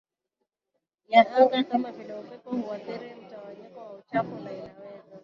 ya anga kama vile upepo huathiri mtawanyiko wa uchafu na inaweza